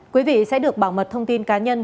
quý vị sẽ được bảo mật thông tin cá nhân